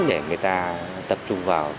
để người ta tập trung vào